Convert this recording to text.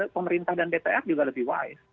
pemerintah dan dpr juga lebih wise